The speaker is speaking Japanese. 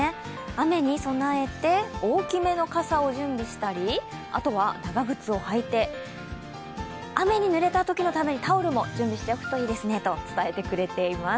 雨に備えて大きめの傘を準備したり、あとは長靴を履いて、雨にぬれたときのためにタオルも準備しておくといいですねと伝えてくれています。